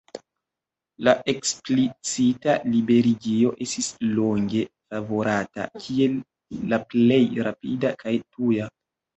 La eksplicita liberigo estis longe favorata, kiel la plej rapida kaj tuja.